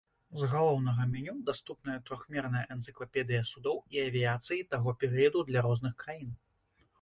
З галоўнага меню даступная трохмерная энцыклапедыя судоў і авіяцыі таго перыяду для розных краін.